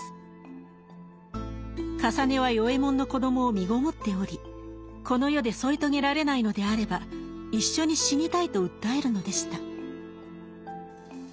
かさねは与右衛門の子供をみごもっておりこの世で添い遂げられないのであれば一緒に死にたいと訴えるのでした。